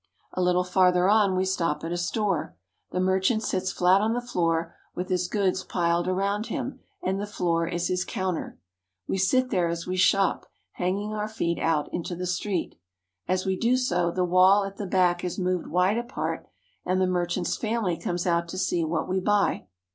A little farther on we stop at a store. The merchant sits flat on the floor with his goods piled around him, and the floor is his counter. We sit there as we shop, hanging our feet out into the street. As we do so, the wall at the back is moved wide apart, and the merchant's family comes out to see what we buy.